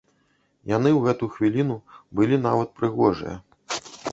Яны ў гэту хвіліну былі нават прыгожыя.